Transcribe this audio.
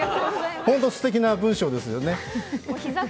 ホントすてきな文章ですよね。